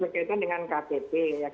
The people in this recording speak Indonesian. berkaitan dengan kpp